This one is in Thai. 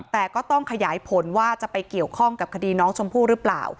แต่ก็ต้องขยายผลว่าจะไปเกี่ยวข้องกับคดีน้องชมพู่หรือเปล่า